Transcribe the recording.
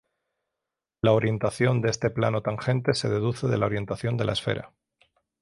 La orientación de este plano tangente se deduce de la orientación de la esfera.